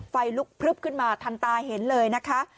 ไฟลุกพลึบขึ้นมาทันตาเห็นเลยนะคะ